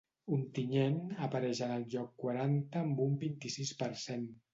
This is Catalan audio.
Ontinyent apareix en el lloc quaranta amb un vint-i-sis per cent.